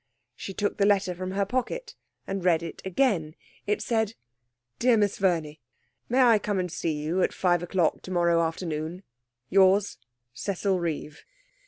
She took the letter from her pocket and read it again. It said: 'DEAR MISS VERNEY, 'May I come and see you at five o'clock tomorrow afternoon? 'Yours, 'CECIL REEVE.'